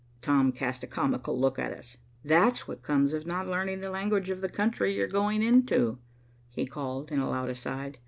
Tom cast a comical look at us. "That's what comes of not learning the language of the country you're going into," he called, in a loud aside.